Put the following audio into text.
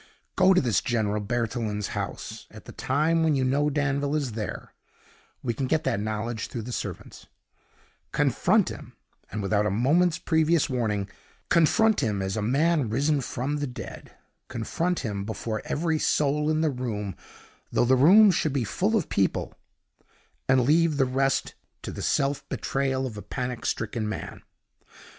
Go to this General Berthelin's house at a time when you know Danville is there (we can get that knowledge through the servants); confront him without a moment's previous warning; confront him as a man risen from the dead; confront him before every soul in the room though the room should be full of people and leave the rest to the self betrayal of a panic stricken man.